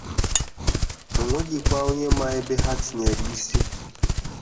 o nweghịkwa onye ma ebe ha tinyere isi.